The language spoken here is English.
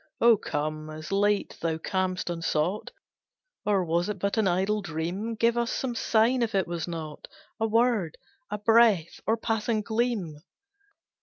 Oh come, as late thou cam'st unsought, Or was it but an idle dream? Give us some sign if it was not, A word, a breath, or passing gleam."